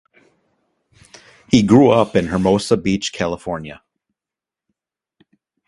He grew up in Hermosa Beach, California.